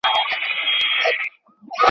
پوهه د هر ډول تیارو دښمنه ده.